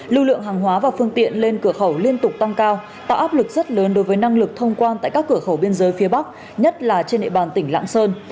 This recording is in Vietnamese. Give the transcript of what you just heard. lưu lượng hàng hóa và phương tiện lên cửa khẩu liên tục tăng cao tạo áp lực rất lớn đối với năng lực thông quan tại các cửa khẩu biên giới phía bắc nhất là trên địa bàn tỉnh lạng sơn